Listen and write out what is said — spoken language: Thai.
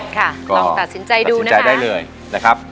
ค่ะลองตัดสินใจดูนะคะ